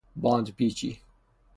باندپیچی